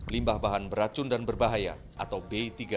limbah bahan beracun dan berbahaya atau b tiga